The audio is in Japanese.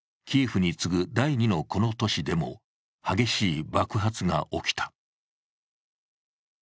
キエフに次ぐ第二のこの都市でも激しい爆発が起きた。